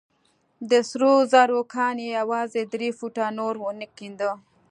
د سرو زرو کان يې يوازې درې فوټه نور ونه کينده.